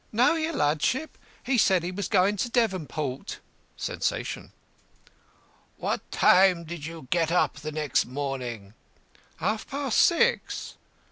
"No, your ludship, he said he was going to Devonport." (Sensation.) "What time did you get up the next morning?" "Half past six."